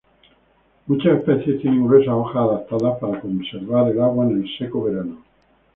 Muchas especies tienen gruesas hojas adaptadas para conservar el agua en el seco verano.